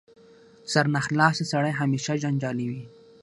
سرناخلاصه سړی همېشه جنجالي وي.